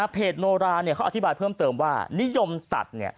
โนราเขาอธิบายเพิ่มเติมว่านิยมตัด